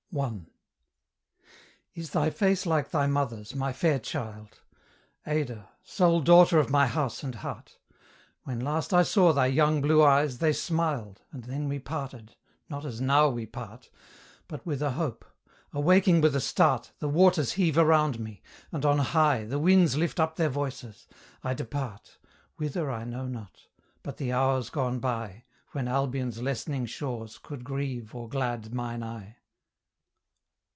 I. Is thy face like thy mother's, my fair child! Ada! sole daughter of my house and heart? When last I saw thy young blue eyes, they smiled, And then we parted, not as now we part, But with a hope. Awaking with a start, The waters heave around me; and on high The winds lift up their voices: I depart, Whither I know not; but the hour's gone by, When Albion's lessening shores could grieve or glad mine eye.